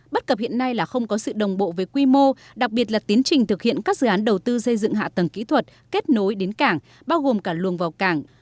bất cập hiện nay là không có sự đồng bộ về quy mô đặc biệt là tiến trình thực hiện các dự án đầu tư xây dựng hạ tầng kỹ thuật kết nối đến cảng bao gồm cả luồng vào cảng